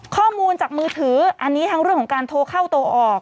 ข้อมูลจากมือถืออันนี้ทั้งเรื่องของการโทรเข้าโทรออก